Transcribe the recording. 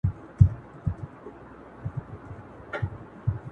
له زندانه تر خوشي کېدو وروسته مي